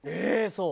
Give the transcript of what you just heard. そう？